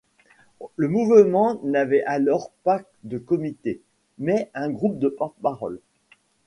Le mouvement n'avait alors pas de comité, mais un groupe de porte-paroles.